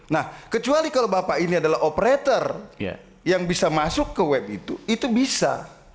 nah kecuali kalau bapak ini adalah operator yang bisa masuk ke web itu itu bisa